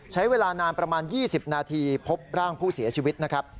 ใช้เวลานานประมาณ๒๐นาทีพบร่างผู้เสียชีวิตนะครับ